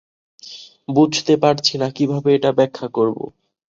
বুঝতে পারছি না কীভাবে এটা ব্যাখ্যা করব।